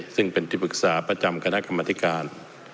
ซึ่งเป็นที่ปรึกษาประจำคณะกรรมธิการ